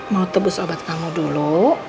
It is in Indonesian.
mau tebus obat kamu dulu